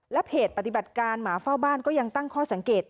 เพจปฏิบัติการหมาเฝ้าบ้านก็ยังตั้งข้อสังเกต